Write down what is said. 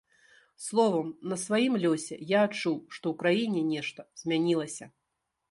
Словам, на сваім лёсе я адчуў, што ў краіне нешта змянілася.